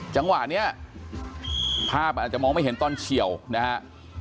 จังหวะนี้ภาพอาจจะมองไม่เห็นตอนเฉียวนะฮะ